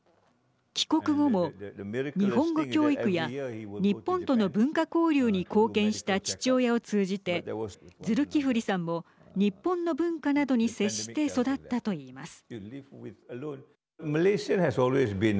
帰国後も日本語教育や日本との文化交流に貢献した父親を通じて、ズルキフリさんも日本の文化などに接して育ったといいます。